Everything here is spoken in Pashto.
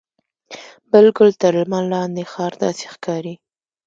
بالکل تر لمر لاندې ښار داسې ښکاري.